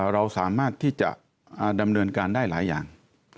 เราสามารถที่จะดำเนินการได้หลายอย่าง